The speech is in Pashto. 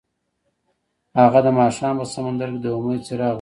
هغه د ماښام په سمندر کې د امید څراغ ولید.